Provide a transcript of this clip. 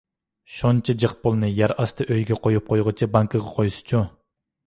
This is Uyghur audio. شۇنچە جىق پۇلنى يەر ئاستى ئۆيىگە قويۇپ قويغۇچە بانكىغا قويسىچۇ؟